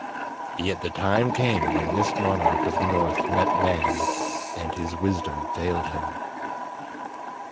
Yet the time came when this monarch of the north met man, and his wisdom failed him.